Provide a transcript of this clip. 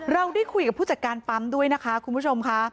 เราได้คุยกับผู้จัดการปั๊มด้วยนะคะคุณผู้ชมค่ะ